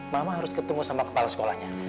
mama harus ketemu sama kepala sekolahnya